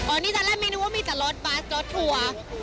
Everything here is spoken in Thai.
อันนี้ฉันแรกไม่นึกว่ามีแต่รถบัสรถัว